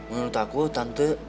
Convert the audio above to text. menurut aku tante